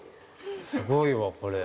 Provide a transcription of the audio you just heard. すごいわこれ。